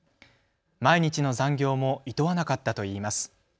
毎日の残業もいとわなかったといいます。